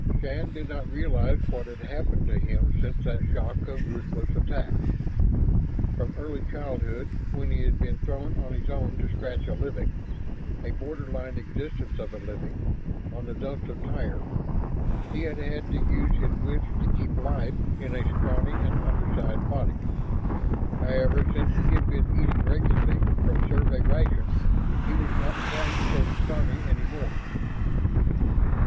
Shann did not realize what had happened to him since that shock of ruthless attack. From early childhood, when he had been thrown on his own to scratch a living a borderline existence of a living on the Dumps of Tyr, he had had to use his wits to keep life in a scrawny and undersized body. However, since he had been eating regularly from Survey rations, he was not quite so scrawny any more.